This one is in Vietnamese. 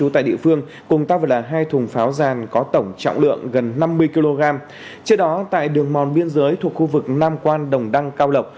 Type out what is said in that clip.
trước đó tại đường mòn biên giới thuộc khu vực nam quan đồng đăng cao lộc